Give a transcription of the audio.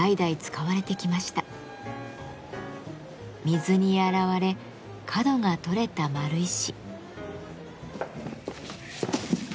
水に洗われ角が取れた丸石。